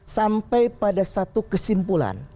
sampai pada satu kesimpulan